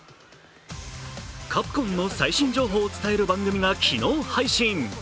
カプコンの最新情報を伝える番組が昨日配信。